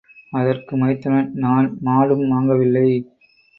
அதற்கு மைத்துனன், நான் மாடும் வாங்கவில்லை.